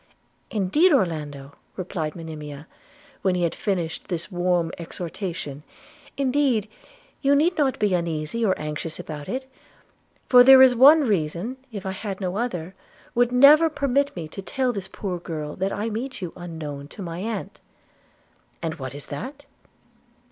'Indeed, Orlando,' replied Monimia, when he had finished this warm exhortation, 'indeed you need not be uneasy or anxious about it; for there is one reason that, if I had no other, would never permit me to tell this poor girl that I meet you unknown to my aunt.' 'And what is that?'